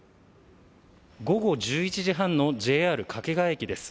午後１１時半のＪＲ掛川駅です